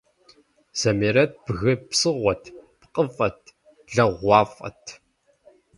Замирэт бгы псыгъуэт, пкъыфӏэт, лагъугъуафӏэт.